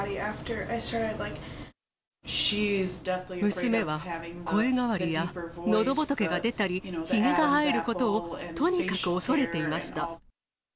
娘は声変わりやのどぼとけが出たり、ひげが生えることを、とにかく恐れていました。